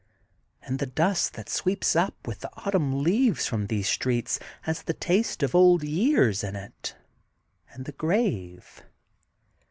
And the dust that sweeps up with the autumn leaves from these streets has the taste of old years in it, and the grave.